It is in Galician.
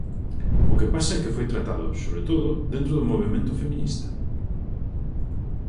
O que pasa é que foi tratado, sobre todo, dentro do movemento feminista.